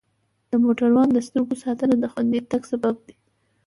د موټروان د سترګو ساتنه د خوندي تګ سبب دی.